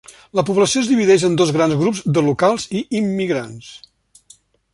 La població es divideix en dos grans grups de locals i immigrants.